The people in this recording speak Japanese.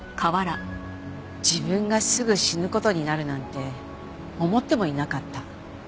自分がすぐ死ぬ事になるなんて思ってもいなかった。